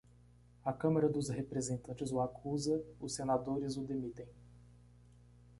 A Câmara dos Representantes o acusa, os senadores o demitem.